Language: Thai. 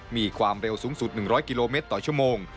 มีความเร็วสูงสุด๑๐๐กิโลเมตรต่อชั่วโมง